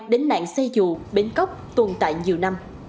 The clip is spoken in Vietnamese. đến nạn xe dụ bến cóc tuồn tại nhiều năm